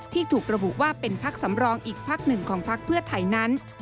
ถูกระบุว่าเป็นพักสำรองอีกพักหนึ่งของพักเพื่อไทยนั้น